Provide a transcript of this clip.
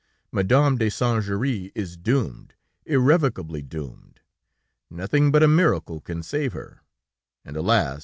Madame de Saint Juéry is doomed, irrevocably doomed.... Nothing but a miracle can save her, and alas!